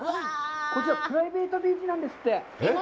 こちらプライベートビーチなんですって。